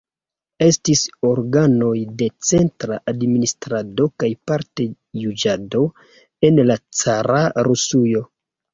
Estis organoj de centra administrado kaj parte juĝado en la cara Rusujo.